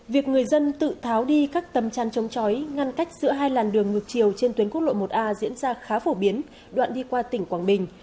việc người dân tự tháo đi các tầm chăn chống chói ngăn cách giữa hai làn đường ngược chiều trên tuyến quốc lộ một a diễn ra khá phổ biến đoạn đi qua tỉnh quảng bình